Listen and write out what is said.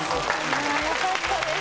ああよかったです。